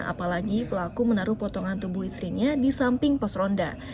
apalagi pelaku menaruh potongan tubuh istrinya di samping pos ronda